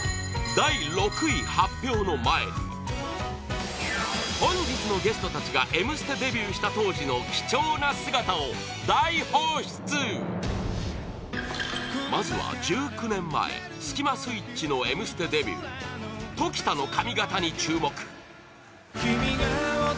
第６位発表の前に本日のゲストたちが「Ｍステ」デビューした当時の貴重な姿を大放出まずは１９年前スキマスイッチの「Ｍステ」デビュー常田の髪形に注目堂：